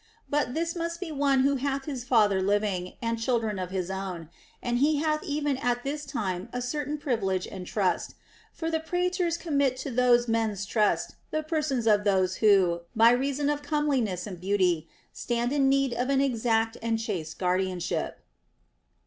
But this must be one who hath his father living, and children of his own ; and he hath even at this time a certain privilege and trust, for the Praetors commit to those mens trust the persons of those who, by reason of comeliness and beauty, stand in need of an exact and chaste guardianship.